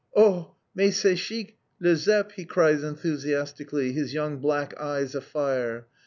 "Oh, mais c'est chic, le Zepp," he cries enthusiastically, his young black eyes afire.